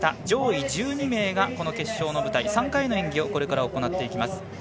上位１２名がこの決勝の舞台、３回の演技をこれから行っていきます。